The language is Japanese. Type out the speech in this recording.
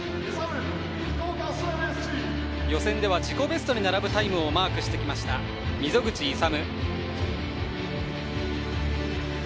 予選では自己ベストに並ぶタイムをマークしてきました溝口勇。